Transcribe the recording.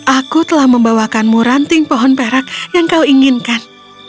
aku telah membawakanmu ranting pohon perak yang kau inginkan